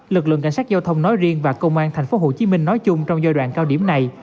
lực lượng cảnh sát giao thông nói riêng và công an tp hcm nói chung trong giai đoạn cao điểm này